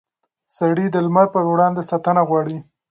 سړي د لمر پر وړاندې ساتنه غواړي.